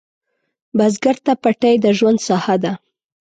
بزګر ته پټی د ژوند ساحه ده